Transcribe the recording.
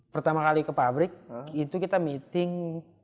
pertama kali ke pabrik itu kita meeting